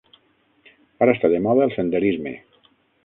Ara està de moda el senderisme.